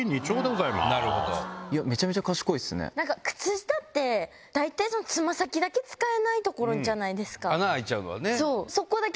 靴下って大体爪先だけ使えない所じゃないですか。